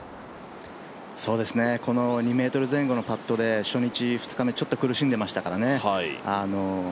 この２ｍ前後のパットで初日、２日目ちょっと苦しんでましたからね。